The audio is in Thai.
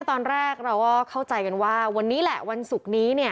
เมื่อตอนแรกเราเข้าใจกันว่าวันนี้แหละวันศุกร์นี้